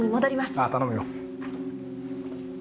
ああ頼むよ。